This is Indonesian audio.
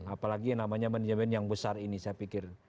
apalagi yang namanya manajemen yang besar ini saya pikir